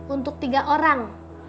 untuk tiga orang